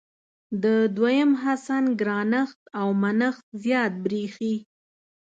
د دویم حسن ګرانښت او منښت زیات برېښي.